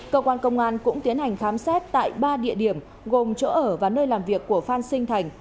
cơ quan công an cũng tiến hành khám xét tại ba địa điểm gồm chỗ ở và nơi làm việc của phan sinh thành